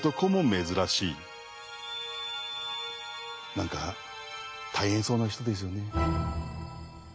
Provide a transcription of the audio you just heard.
何か大変そうな人ですよね。